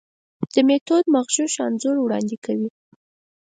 دا میتود مغشوش انځور وړاندې کوي.